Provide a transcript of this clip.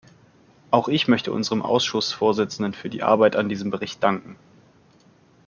Auch ich möchte unserem Ausschussvorsitzenden für die Arbeit an diesem Bericht danken.